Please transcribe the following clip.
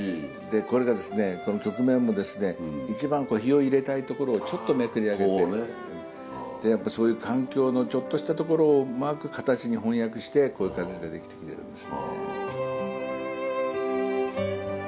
これがこの曲面も一番日を入れたい所をちょっとめくり上げてそういう環境のちょっとしたところをうまく形に翻訳してこういう形ができてきてるんです。